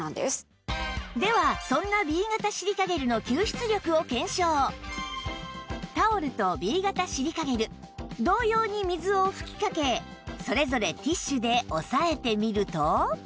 ではそんなタオルと Ｂ 型シリカゲル同様に水を吹きかけそれぞれティッシュで押さえてみると